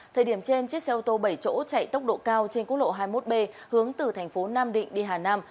thời điểm trên chiếc xe ô tô bảy chỗ chạy tốc độ cao trên quốc lộ hai mươi một b hướng từ thành phố nam định đi hà nam